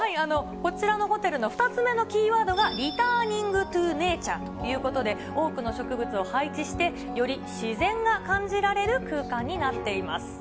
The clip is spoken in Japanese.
こちらのホテルの２つ目のキーワードが、リターニング・トゥ・ネーチャーということで、多くの植物を配置して、より自然が感じられる空間になっています。